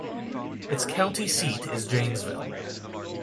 Its county seat is Janesville.